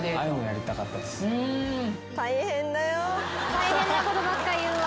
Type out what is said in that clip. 大変なことばっか言うわ。